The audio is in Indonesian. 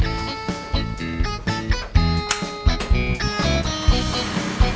eh bangun kang